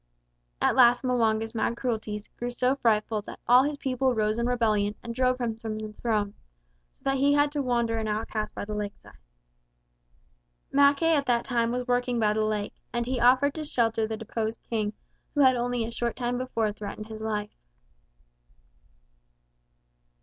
At last M'wanga's mad cruelties grew so frightful that all his people rose in rebellion and drove him from the throne, so that he had to wander an outcast by the lake side. Mackay at that time was working by the lake, and he offered to shelter the deposed King who had only a short time before threatened his life.